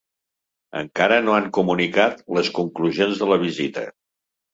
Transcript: Encara no han comunicat les conclusions de la visita.